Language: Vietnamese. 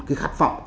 cái khát vọng